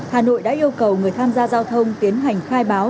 hà nội đã yêu cầu người tham gia giao thông tiến hành khai báo